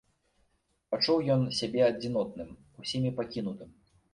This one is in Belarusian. Пачуў ён сябе адзінотным, усімі пакінутым.